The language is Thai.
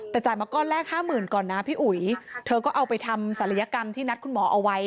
แต่จ่ายมาก้อนแรกห้าหมื่นก่อนนะพี่อุ๋ยเธอก็เอาไปทำศัลยกรรมที่นัดคุณหมอเอาไว้